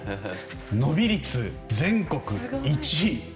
伸び率全国１位。